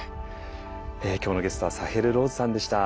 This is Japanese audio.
今日のゲストはサヘル・ローズさんでした。